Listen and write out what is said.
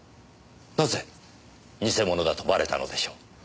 なぜ偽者だとばれたのでしょう？